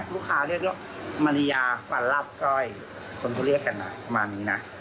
ลูกค้าเรียกว่ามาริยาฟันลับก้อยคนเขาเรียกกันประมาณนี้นะ